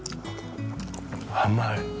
甘い。